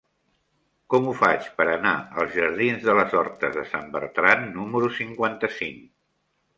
Com ho faig per anar als jardins de les Hortes de Sant Bertran número cinquanta-cinc?